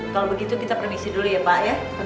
kalau begitu kita permisi dulu ya pak